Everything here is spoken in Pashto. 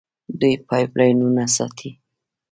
دوی پایپ لاینونه ساتي.